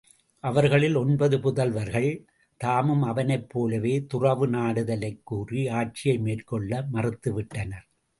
அவர்களுள் ஒன்பது புதல்வர்கள், தாமும் அவனைப் போலவே துறவு நாடுதலைக் கூறி ஆட்சியை மேற்கொள்ள மறுத்துவிட்டனர்.